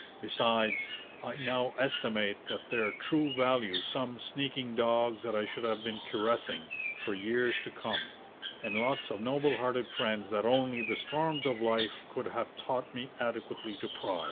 Besides, I now estimate at their true value some sneaking dogs that I should have been caressing, for years to come, and lots of noble hearted friends that only the storms of life could have taught me adequately to prize.'